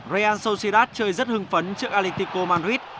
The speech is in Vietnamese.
real sociedad chơi rất hưng phấn trước atletico madrid